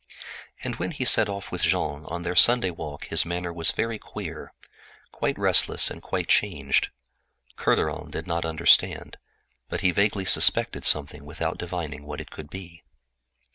When he set off with Jean on their Sunday walk his manner was very queer, quite restless, and quite changed. Kerderen did not understand, but he vaguely suspected something without divining what it could be.